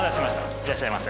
いらっしゃいませ。